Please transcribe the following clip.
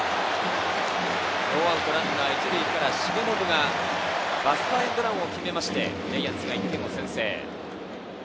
ノーアウトランナー１塁から、重信がバスターエンドランを決めてジャイアンツが先制。